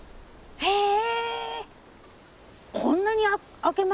へえ！